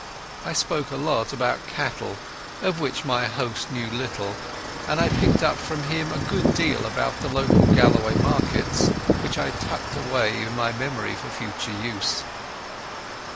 I spoke a lot about cattle, of which my host knew little, and I picked up from him a good deal about the local Galloway markets, which I tucked away in my memory for future use.